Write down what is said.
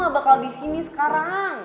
gak bakal disini sekarang